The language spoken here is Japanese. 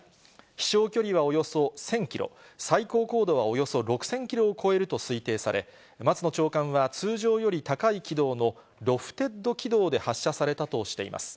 飛しょう距離はおよそ１０００キロ、最高高度はおよそ６０００キロを超えると推定され、松野長官は、通常より高い軌道のロフテッド軌道で発射されたとしています。